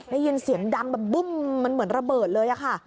ได้ยินเสียงดังแบบบึ้มมันเหมือนระเบิดเลยค่ะ